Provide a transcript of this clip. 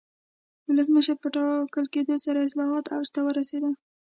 ولسمشر په ټاکل کېدو سره اصلاحات اوج ته ورسېدل.